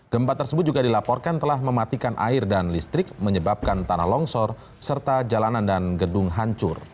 gempa tersebut juga dilaporkan telah mematikan air dan listrik menyebabkan tanah longsor serta jalanan dan gedung hancur